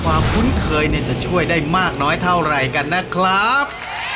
คุ้นเคยเนี่ยจะช่วยได้มากน้อยเท่าไหร่กันนะครับ